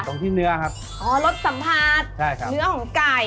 ตรงที่เนื้อครับอ๋อรสสัมภาษณ์เนื้อของไก่